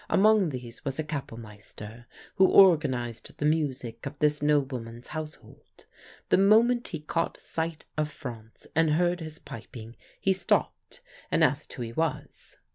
Among these was a Kapellmeister, who organised the music of this nobleman's household. The moment he caught sight of Franz and heard his piping, he stopped, and asked who he was.